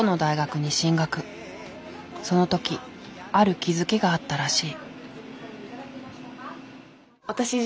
その時ある気付きがあったらしい。